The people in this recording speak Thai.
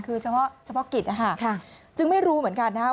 คือเฉพาะเฉพาะกิจนะคะจึงไม่รู้เหมือนกันนะครับ